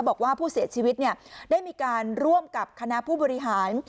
บอกว่าผู้เสียชีวิตได้มีการร่วมกับคณะผู้บริหาร